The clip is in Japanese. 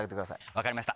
分かりました。